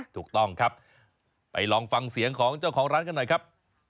ถูกต้องครับไปลองฟังเสียงของเจ้าของร้านกันหน่อยครับ